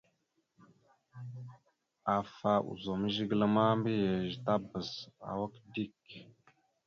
Afa ozum zigəla ma, mbiyez tabaz awak dik.